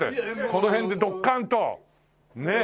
この辺でドッカンとねえ。